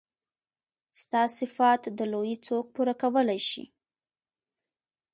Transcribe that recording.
ستا صفت د لويي څوک پوره کولی شي.